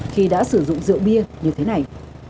khi đã sử dụng rượu bia như thế này